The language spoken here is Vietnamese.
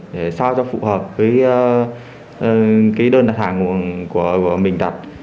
để sao cho phù hợp với đơn đặt hàng của mình